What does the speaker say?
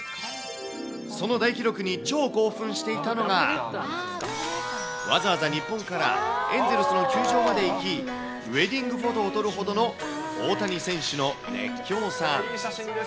その大記録に超興奮していたのが、わざわざ日本からエンゼルスの球場まで行き、ウエディングフォトを撮るほどの大谷選手の熱狂さん。